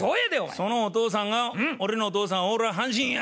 「そのお父さんが俺のお父さんオール阪神や」